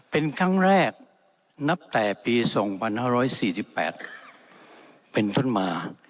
เป็นครั้งแรกนับแต่ปี๒๕๔๘เป็นต้นมา